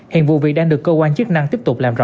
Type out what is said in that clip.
hiện vụ việc đang được cơ quan chức năng tiếp tục làm rõ